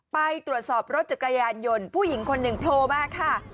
ไปตรวจสอบรถจักรยานยนต์ผู้หญิงคนหนึ่งโผล่มาค่ะ